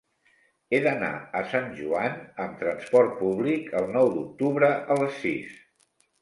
He d'anar a Sant Joan amb transport públic el nou d'octubre a les sis.